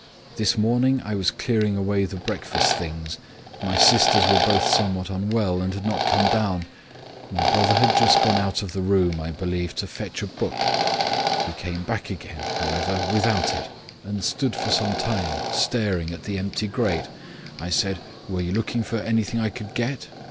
This morning I was clearing away the breakfast things, my sisters were both somewhat unwell, and had not come down. My brother had just gone out of the room, I believe, to fetch a book. He came back again, however, without it, and stood for some time staring at the empty grate. I said, 'Were you looking for anything I could get?'